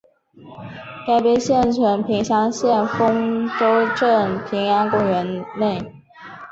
该碑现存平乡县丰州镇平安公园内。